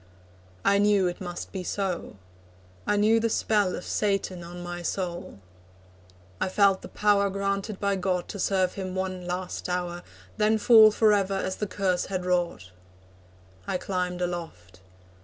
I knew it must be so. I knew the spell Of Satan on my soul. I felt the power Granted by God to serve Him one last hour, Then fall for ever as the curse had wrought. I climbed aloft.